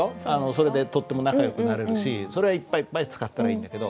それでとっても仲良くなれるしそれはいっぱいいっぱい使ったらいいんだけど。